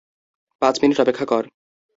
পাঁচ মিনিট অপেক্ষা কর।